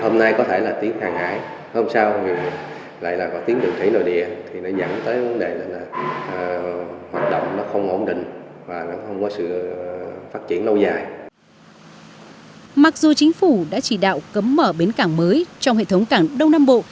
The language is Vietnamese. mặc dù chính phủ đã chỉ đạo cấm mở bến cảng mới trong hệ thống cảng đông nam bộ